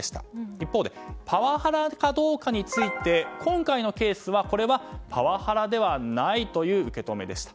一方でパワハラかどうかについて今回のケース、これはパワハラではないという受け止めでした。